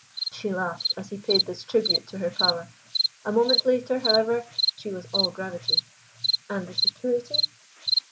She laughed as he paid this tribute to her power. A moment later, however, she was all gravity. "And the security?"